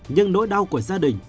nhưng nỗi đau của gia đình